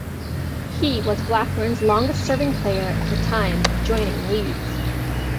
He was Blackburn's longest serving player at the time of joining Leeds.